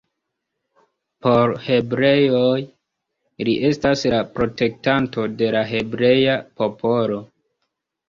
Por hebreoj li estas la protektanto de la hebrea popolo.